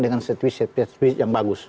dengan set piece yang bagus